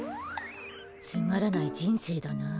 つまらない人生だな。